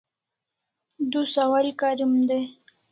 Du sawal karim dai